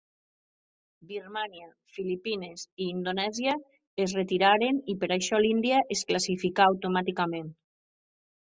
Birmània, Filipines i Indonèsia es retiraren i per això l'Índia es classificà automàticament.